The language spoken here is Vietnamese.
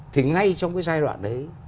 thì ngay trong cái giai đoạn đấy